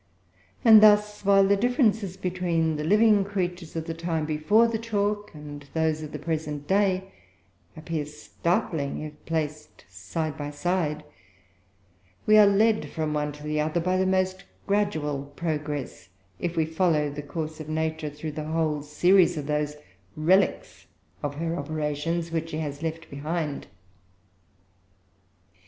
And thus, while the differences between the living creatures of the time before the chalk and those of the present day appear startling, if placed side by side, we are led from one to the other by the most gradual progress, if we follow the course of Nature through the whole series of those relics of her operations which she has left behind.